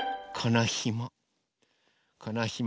このひも。